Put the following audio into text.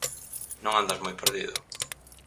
Non andas moi perdido.